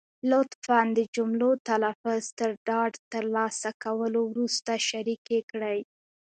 لطفا د جملو تلفظ تر ډاډ تر لاسه کولو وروسته شریکې کړئ.